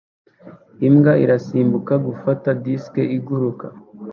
Imbwa irasimbuka gufata disiki iguruka